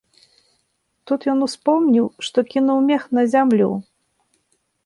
Тут ён успомніў, што кінуў мех на зямлю.